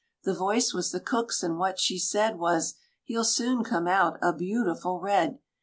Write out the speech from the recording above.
The voice was the cook's, and what she said Was, "He'll soon come out a beautiful red."